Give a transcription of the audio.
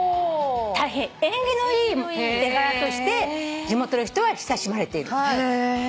大変縁起のいい絵柄として地元の人は親しまれている。